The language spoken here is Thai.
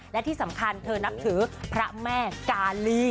และที่สำคัญเธอนับถือพระแม่กาลี